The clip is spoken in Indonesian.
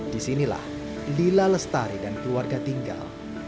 di sinilah lila lestari dan keluarga tinggal